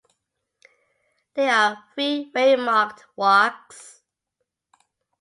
There are three waymarked walks.